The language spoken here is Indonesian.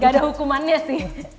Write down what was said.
ga ada hukumannya sih